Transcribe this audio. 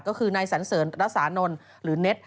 ก็คือนายสรรเสริญละสานนลหรือเน็ต